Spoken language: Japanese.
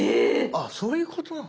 あっそういうことなの？